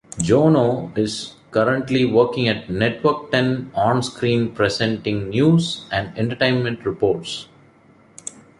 Jono is currently working at Network Ten onscreen presenting news and entertainment reports.